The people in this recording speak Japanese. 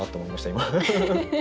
今。